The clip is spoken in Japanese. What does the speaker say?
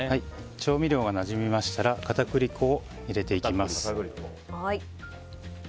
調味料が馴染みましたら片栗粉を入れていきます。